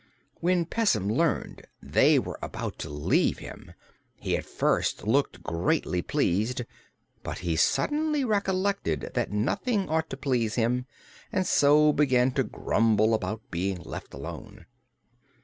When Pessim learned they were about to leave him he at first looked greatly pleased, but he suddenly recollected that nothing ought to please him and so began to grumble about being left alone.